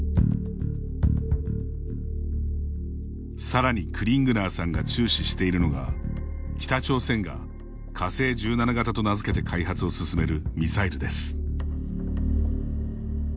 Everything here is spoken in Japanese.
さらにクリングナーさんが注視しているのが、北朝鮮が火星１７型と名付けて開発を進めるミサイルです。